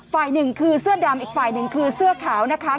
ฝ่ายหนึ่งคือเสื้อดำอีกฝ่ายหนึ่งคือเสื้อขาวนะคะ